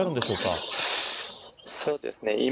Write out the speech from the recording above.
そうですね。